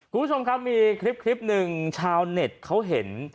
คุณผู้ชมครับมีคลิปหนึ่งชาวเน็ตเขาเห็น